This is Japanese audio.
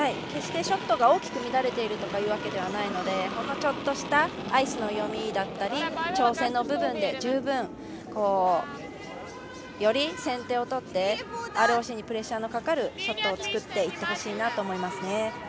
決してショットが大きく乱れているわけではないのでほんのちょっとしたアイスの読みだったり調整の部分で、より先手を取ってＲＯＣにプレッシャーのかかるショットを作っていってほしいと思います。